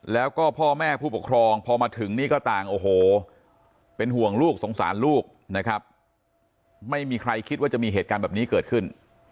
แล้วก็พ่อแม่ผู้ปกครองพอมาถึงนี่ก็ต่างโอ้โหเป็นห่วงลูกสงสารลูกนะครับไม่มีใครคิดว่าจะมีเหตุการณ์แบบนี้เกิดขึ้น